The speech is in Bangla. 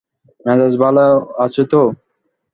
মেজাজ ভালো আছে তো?